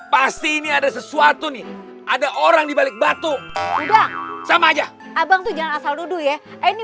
pasti ini ada sesuatu nih ada orang di balik batu udah sama aja abang tuh jangan asal duduk ya ini